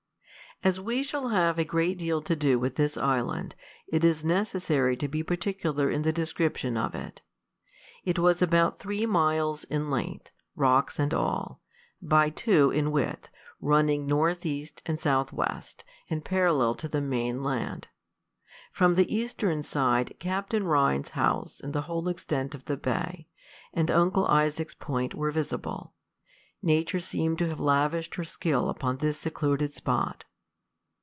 As we shall have a great deal to do with this island, it is necessary to be particular in the description of it. It was about three miles in length, rocks and all, by two in width, running north east and south west, and parallel to the main land. From the eastern side, Captain Rhines's house and the whole extent of the bay, and Uncle Isaac's Point, were visible. Nature seemed to have lavished her skill upon this secluded spot.